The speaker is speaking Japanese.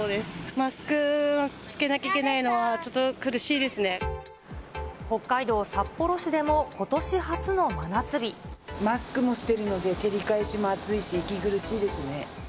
マスクを着けなきゃいけない北海道札幌市でもことし初のマスクもしてるので、照り返しも暑いし、息苦しいですね。